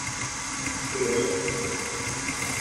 Filósofo argentino.